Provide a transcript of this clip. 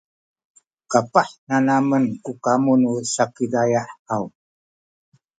kapah nanamen ku kamu nu Sakizaya haw?